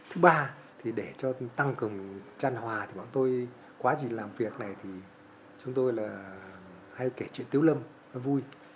thứ ba thì để cho tăng cường tranh hòa bọn tôi quá gì làm việc này thì chúng tôi hay kể chuyện tiếu lâm vui